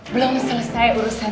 belum selesai urusan